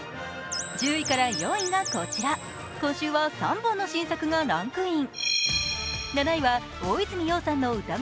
１０位から４位がこちら、今週は３本の新作がランクイン。